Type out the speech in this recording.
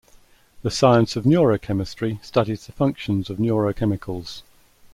The science of neurochemistry studies the functions of neurochemicals.